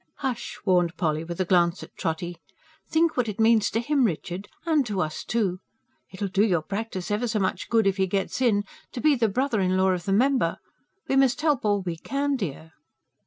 "Ssh!" warned Polly, with a glance at Trotty. "Think what it means to him, Richard, and to us, too. It will do your practice ever so much good if he gets in to be the brother in law of the member! We must help all we can, dear."